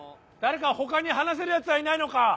誰か他に話せる奴はいないのか？